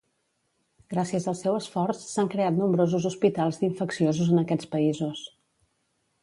Gràcies al seu esforç s'han creat nombrosos hospitals d'infecciosos en aquests països.